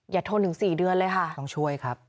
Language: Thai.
อย่าโทรถึง๔เดือนเลยค่ะ